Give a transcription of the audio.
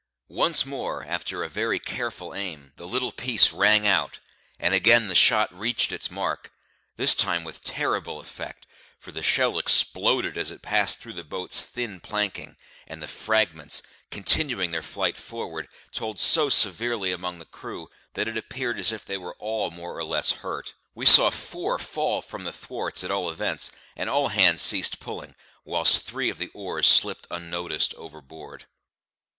Once more, after a very careful aim, the little piece rang out, and again the shot reached its mark; this time with terrible effect, for the shell exploded as it passed through the boat's thin planking, and the fragments, continuing their flight forward, told so severely among the crew, that it appeared as if they were all more or less hurt. We saw four fall from the thwarts, at all events, and all hands ceased pulling, whilst three of the oars slipped unnoticed overboard.